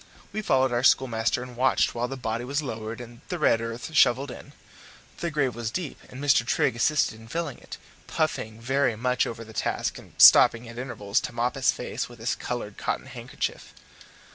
We followed our schoolmaster and watched while the body was lowered and the red earth shovelled in. The grave was deep, and Mr. Trigg assisted in filling it, puffing very much over the task and stopping at intervals to mop his face with his coloured cotton handkerchief.